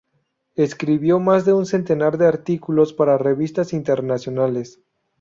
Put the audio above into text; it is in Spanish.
Escribió más de un centenar de artículos para revistas internacionales.